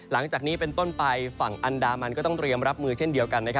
หลังจากนี้เป็นต้นไปฝั่งอันดามันก็ต้องเตรียมรับมือเช่นเดียวกัน